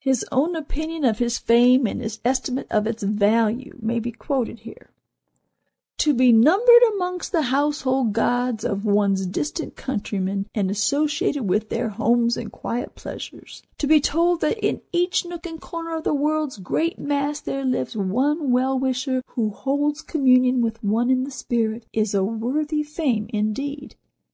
His own opinion of his fame, and his estimate of its value, may be quoted here: "To be numbered amongst the household gods of one's distant countrymen, and associated with their homes and quiet pleasures; to be told that in each nook and corner of the world's great mass there lives one well wisher who holds communion with one in the spirit, is a worthy fame, indeed.